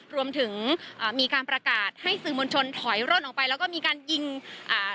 รวมถึงอ่ามีการประกาศให้สื่อมวลชนถอยร่นออกไปแล้วก็มีการยิงอ่า